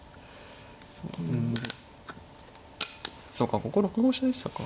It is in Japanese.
そうかここ６五飛車でしたか。